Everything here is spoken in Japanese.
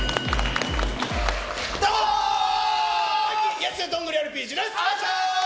ＹｅｓどんぐりＲＰＧです。